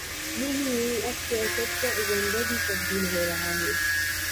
یہی نہیں، اب سیاست کا ایجنڈا بھی تبدیل ہو رہا ہے۔